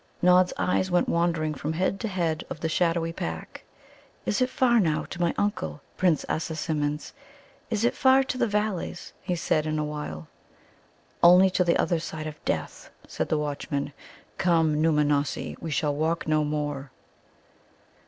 Nod's eyes went wandering from head to head of the shadowy pack. "Is it far now to my uncle, Prince Assasimmon's? Is it far to the Valleys?" he said in a while. "Only to the other side of death," said the watchman. "Come Nōōmanossi, we shall walk no more."